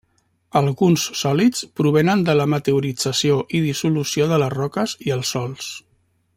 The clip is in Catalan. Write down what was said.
Alguns sòlids provenen de la meteorització i dissolució de les roques i els sòls.